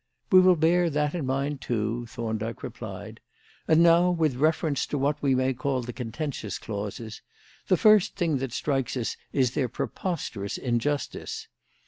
"We will bear that in mind, too," Thorndyke replied. "And now with reference to what we may call the contentious clauses: the first thing that strikes us is their preposterous injustice.